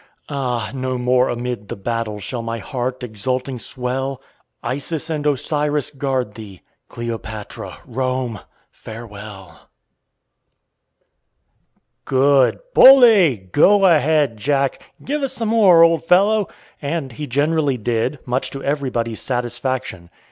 Ah! no more amid the battle Shall my heart exulting swell Isis and Osiris guard thee Cleopatra! Rome! Farewell!" [Illustration: THE POET OF OUR MESS.] "Good!" "Bully!" "Go ahead, Jack!" "Give us some more, old fellow!" And he generally did, much to everybody's satisfaction.